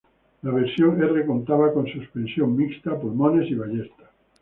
La versión "R" contaba con suspensión "Mixta": Pulmones y Ballesta.